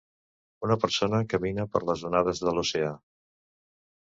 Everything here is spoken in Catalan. Una persona camina per les onades de l'oceà.